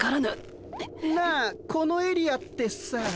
なあこのエリアってさ。